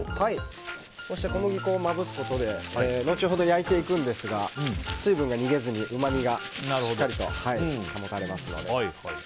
小麦粉をまぶすことで後ほど焼いてくんですが水分が逃げずに、うまみがしっかりと保たれますので。